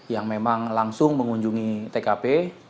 yang memang langsung mengunjungi tkp